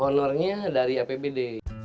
honornya dari apbd